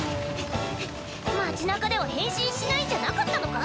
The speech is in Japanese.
街なかでは変身しないんじゃなかったのか？